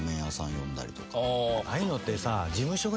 「ああいうのってさ」